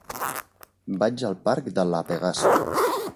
Vaig al parc de La Pegaso.